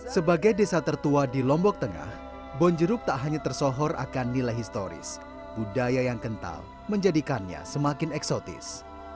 sebagai desa tertua di lombok tengah bonjeruk tak hanya tersohor akan nilai historis budaya yang kental menjadikannya semakin eksotis